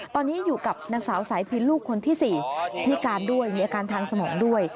ตอนนี้อยู่กับนางสาวสายพินลูกคนที่๔พิการด้วยมีอาการทางสมองด้วย